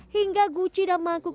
hingga guci dan mangkuk